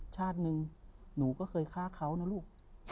ชาติหนึ่งหนูก็เคยฆ่าเขานะลูก